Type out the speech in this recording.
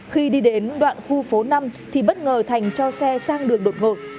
khi đi đến đoạn khu phố năm thì bất ngờ thành cho xe sang đường đột ngột